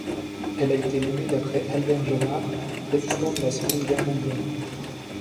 Elle a été nommée d'après Albert Jonnart, résistant de la Seconde Guerre mondiale.